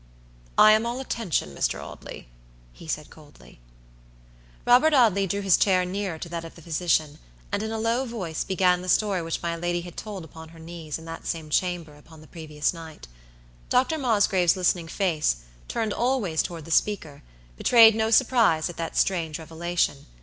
"I am all attention, Mr. Audley," he said coldly. Robert Audley drew his chair nearer to that of the physician, and in a low voice began the story which my lady had told upon her knees in that same chamber upon the previous night. Dr. Mosgrave's listening face, turned always toward the speaker, betrayed no surprise at that strange revelation.